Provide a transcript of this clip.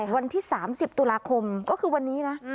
วันที่๓๐ตุลาคมก็คือวันนี้นะ